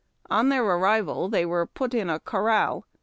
On their arrival, they were put in a corral.